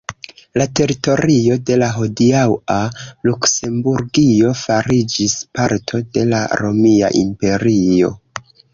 La teritorio de la hodiaŭa Luksemburgio fariĝis parto de la romia imperio.